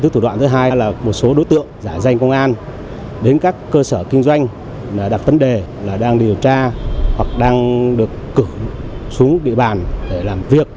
thủ đoạn thứ hai là một số đối tượng giả danh công an đến các cơ sở kinh doanh đặt vấn đề là đang điều tra hoặc đang được cử xuống địa bàn để làm việc